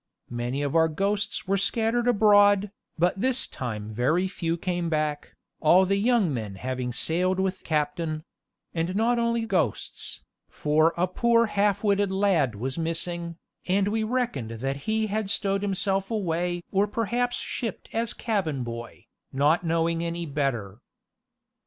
Many of our ghosts were scattered abroad, but this time very few came back, all the young men having sailed with captain; and not only ghosts, for a poor half witted lad was missing, and we reckoned that he had stowed himself away or perhaps shipped as cabin boy, not knowing any better.